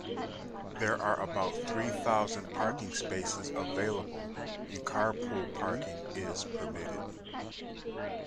There are about three thousand parking spaces available and carpool parking is permitted.